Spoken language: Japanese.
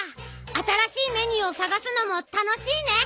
新しいメニューをさがすのも楽しいね。